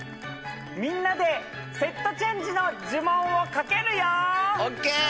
みんなでセットチェンジの呪文をかけるよＯＫ！